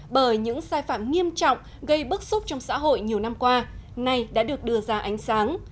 bởi những sai phạm nghiêm trọng gây bức xúc trong xã hội nhiều năm qua nay đã được đưa ra ánh sáng